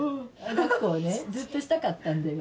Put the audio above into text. だっこをねずっとしたかったんだよ。